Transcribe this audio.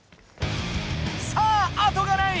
さああとがない！